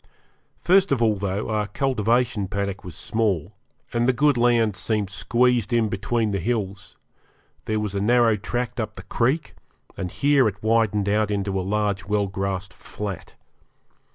First of all, though our cultivation paddock was small, and the good land seemed squeezed in between the hills, there was a narrow tract up the creek, and here it widened out into a large well grassed flat.